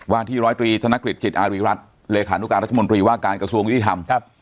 ว่าที่ร้อยตรีธนกฤษจิตอารีรัฐเลขานุการรัฐมนตรีว่าการกระทรวงยุติธรรม